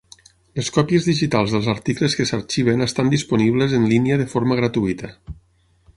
Les còpies digitals dels articles que s'arxiven estan disponibles en línia de forma gratuïta.